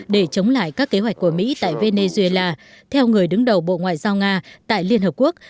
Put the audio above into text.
để chống lại các kế hoạch của mỹ tại venezuela theo người đứng đầu bộ ngoại giao nga tại liên hợp quốc